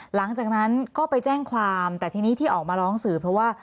หลังจากนั้นก็ไปแจ้งความแต่ทีนี้ที่ออกมาร้องสื่อเพราะว่า